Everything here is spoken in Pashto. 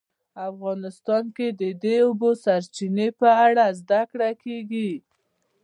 افغانستان کې د د اوبو سرچینې په اړه زده کړه کېږي.